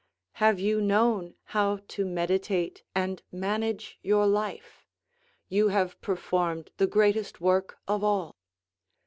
"Have you known how to meditate and manage your life? you have performed the greatest work of all."